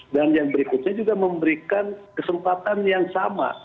dan yang berikutnya juga memberikan kesempatan yang sama